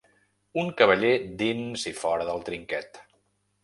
Un cavaller dins i fora del trinquet.